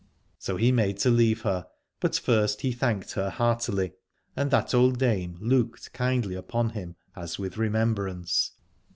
So he made to leave her, but first he thanked her heartily : and that old dame looked kindly upon him, as with remembrance.